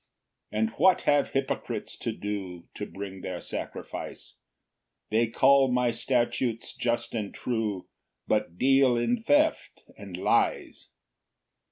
3 "And what have hypocrites to do "To bring their sacrifice? "They call my statutes just and true, "But deal in theft and lies.